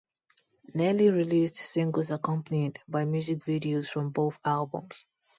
Nelly released singles accompanied by music videos from both albums.